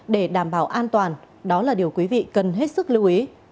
để đảm bảo an toàn đó là điều quý vị cần hết sức lưu ý